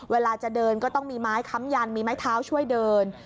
เวลาจะเดินก็ต้องมีไม้ค้ำยันมีไม้เท้าช่วยเดิน